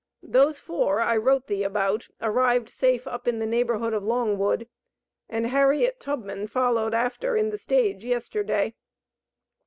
Those four I wrote thee about arrived safe up in the neighborhood of Longwood, and Harriet Tubman followed after in the stage yesterday.